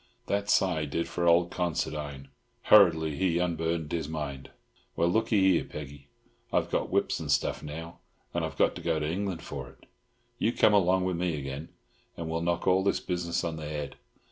That sigh did for old Considine. Hurriedly he unburdened his mind. "Well, look'ee here, Peggy—I've got whips of stuff now, and I've got to go to England for it. You come along o' me again, and we'll knock all this business on the head.